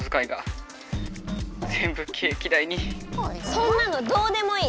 そんなのどうでもいい！